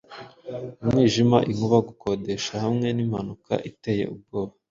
umwijima, inkuba! Gukodesha hamwe nimpanuka iteye ubwoba